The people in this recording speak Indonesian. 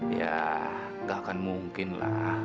ya nggak akan mungkin lah